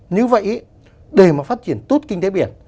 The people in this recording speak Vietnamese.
như vậy để mà phát triển tốt kinh tế biển